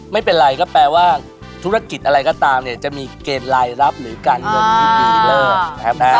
ไม่เป็นไรก็แปลว่าธุรกิจอะไรก็ตามเนี่ยจะมีเกณฑ์รายรับหรือการเงินที่ดีเลิกนะครับ